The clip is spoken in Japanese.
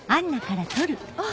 あっ！